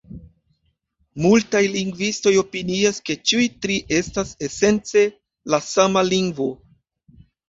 Multaj lingvistoj opinias, ke ĉiuj tri estas esence la sama lingvo.